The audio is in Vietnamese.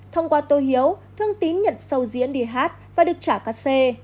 thông qua tô hiếu thương tín nhận sâu diễn đi hát và được trả cả xe